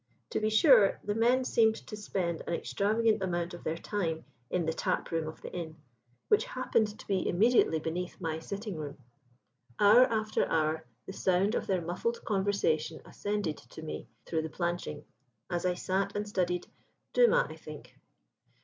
To be sure, the men seemed to spend an extravagant amount of their time in the tap room of the inn, which happened to be immediately beneath my sitting room. Hour after hour the sound of their muffled conversation ascended to me through the planching, as I sat and studied Dumas, I think.